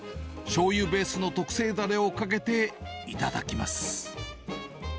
しょうゆベースの特製だれをかけて頂きます。